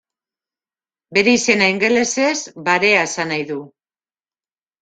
Bere izena ingelesez barea esan nahi du.